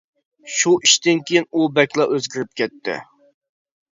شۇ ئىشتىن كىيىن ئۇ بەكلا ئۆزگىرىپ كەتتى.